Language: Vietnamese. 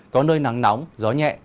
có nơi nắng nóng gió nhẹ